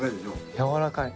やわらかい。